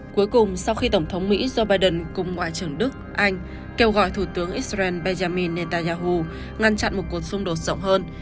cuối cùng sau khi tổng thống mỹ joe biden cùng ngoại trưởng đức anh kêu gọi thủ tướng israel benjamin netanyahu ngăn chặn một cuộc xung đột rộng hơn